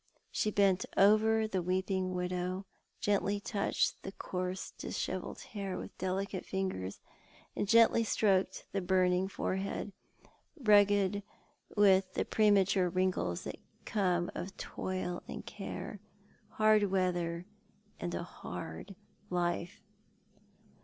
She bent over the weeping widow, gently touched the coarse dishevelled hair with delicate fingers, and gently stroked the burning l"oreliead, rugged with the premature wrinkles that come of toil and care, hard weather and a hard life.